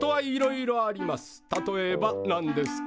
例えばなんですか？